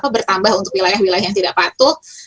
bertambah untuk wilayah wilayah yang tidak patuh